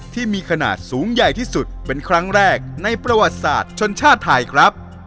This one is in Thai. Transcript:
ที่มีขนาดสูงใหญ่ที่สุดเป็นครั้งแรกในประวัติศาสตร์ชนชาติไทยครับ